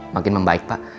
makin membaik pak